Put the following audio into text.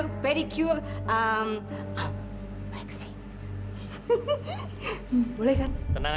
gadgets sense tanpa cap nyaman